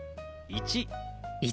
１。